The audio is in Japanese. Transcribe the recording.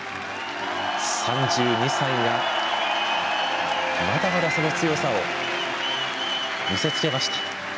３２歳が、まだまだその強さを見せつけました。